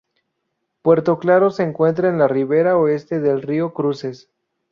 Puerto Claro se encuentra en la ribera oeste del río Cruces.